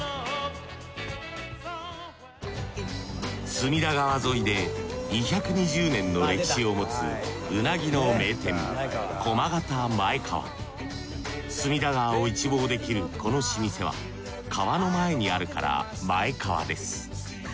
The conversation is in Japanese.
隅田川沿いで２２０年の歴史を持つうなぎの名店隅田川を一望できるこの老舗は川の前にあるから前川です。